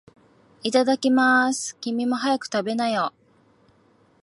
いただきまーす。君も、早く食べなよ。